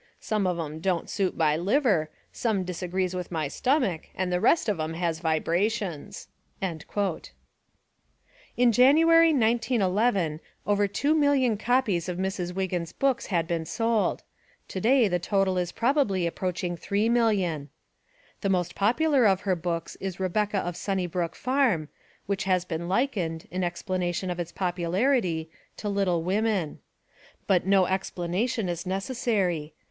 Some of 'em don't suit my liver, some disagrees with my stomach, and the rest of 'em has vibrations.' ' In January, 1911, over 2,000,000 copies of Mrs. t Wiggin's books had been sold; to day the total is | probably approaching 3,000,000. The most popular of her books is Rebecca of Sunnybrook Farm, which has been likened, in explanation of its popularity, to Little Women. But no explanation is necessary.